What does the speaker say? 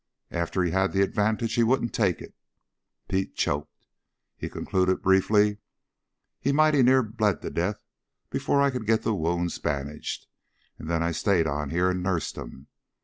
After he had the advantage he wouldn't take it." Pete choked. He concluded briefly, "He mighty near bled to death before I could get the wounds bandaged, and then I stayed on here and nursed him.